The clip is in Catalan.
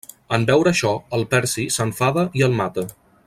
En veure això, el Percy s'enfada i el mata.